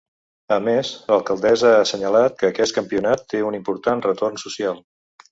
A més, l’alcaldessa ha assenyalat que aquest campionat té un important retorn social.